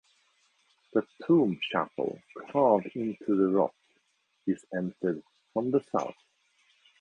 The tomb chapel carved into the rock is entered from the south.